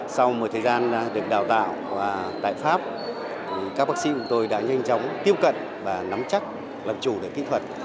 sau một thời gian được đào tạo tại pháp các bác sĩ của tôi đã nhanh chóng tiếp cận và nắm chắc lập chủ được kỹ thuật